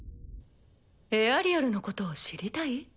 「エアリアルのことを知りたい」？